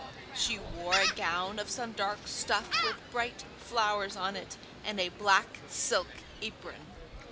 She wore a gown of some dark stuff with bright flowers on it, and a black silk apron.